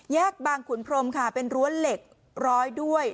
แยกบางขุนพรมค่ะเป็นรั้วเหล็กร้อยด้วย